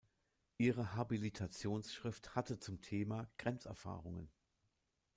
Ihre Habilitationsschrift hatte zum Thema "„Grenzerfahrungen.